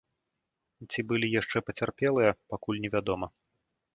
Ці былі яшчэ пацярпелыя, пакуль невядома.